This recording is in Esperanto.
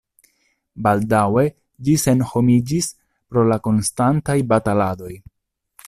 Baldaŭe ĝi senhomiĝis pro la konstantaj bataladoj.